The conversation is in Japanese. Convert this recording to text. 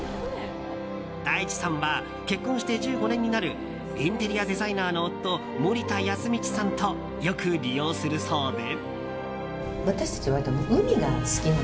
大地さんは結婚して１５年になるインテリアデザイナーの夫・森田恭通さんとよく利用するそうで。